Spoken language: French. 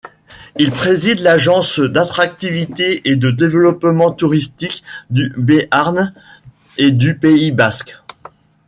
Il préside l’Agence d’attractivité et de développement touristique du Béarn et du Pays basque.